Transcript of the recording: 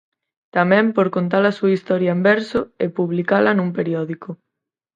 Tamén por contar a súa historia en verso e publicala nun periódico.